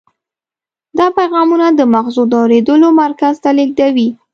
دا پیغامونه د مغزو د اورېدلو مرکز ته لیږدوي.